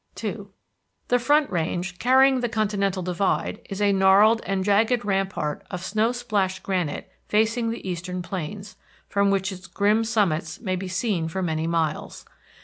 II The Front Range, carrying the continental divide, is a gnarled and jagged rampart of snow splashed granite facing the eastern plains, from which its grim summits may be seen for many miles.